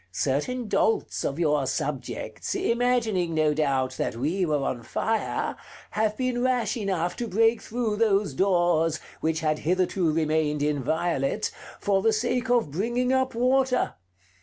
Certain dolts of your subjects, imagining, no doubt, that we were on fire, have been rash enough to break through those doors, which had hitherto remained inviolate, for the sake of bringing up water.